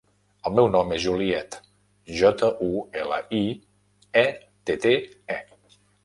El meu nom és Juliette: jota, u, ela, i, e, te, te, e.